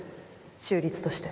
中立として。